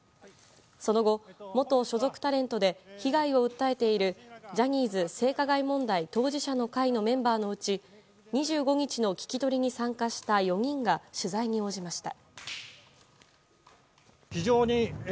その後、元所属タレントで被害を訴えているジャニーズ性加害問題当事者の会のメンバーのうち２５日の聞き取りに参加した４人が取材に応じました。